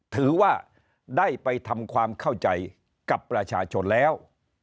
ถือว่าได้ไปทำความเข้าใจกับประชาชนแล้ว